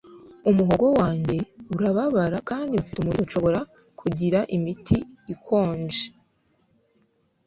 Umuhogo wanjye urababara kandi mfite umuriro Nshobora kugira imiti ikonje